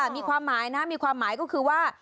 มีความหมายนะมีความหมายก็คือว่า